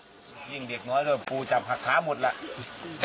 ยิ่งเด็กน้อยด้วยปูจับหักค้าหมดล่ะ